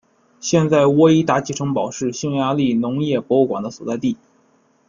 现在沃伊达奇城堡是匈牙利农业博物馆的所在地。